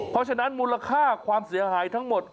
เพราะฉะนั้นมูลค่าความเสียหายทั้งหมด